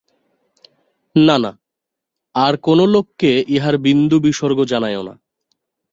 না না, আর কোনো লোককে ইহার বিন্দুবিসর্গ জানাইয়ো না।